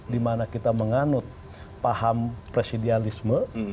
di mana kita menganut paham presidialisme